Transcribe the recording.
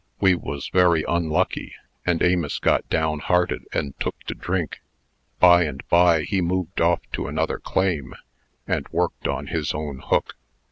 We was very unlucky, and Amos got downhearted, and took to drink. By and by he moved off to another claim, and worked on his own hook.